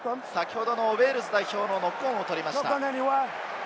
ウェールズ代表のノックオンを取りました。